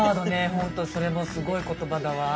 ほんとそれもすごい言葉だわ。